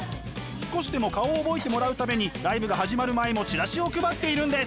少しでも顔を覚えてもらうためにライブが始まる前もチラシを配っているんです。